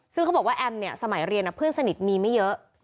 ซึ่งเขาบอกว่าแอมเนี่ยสมัยเรียนเพื่อนสนิทมีไม่เยอะ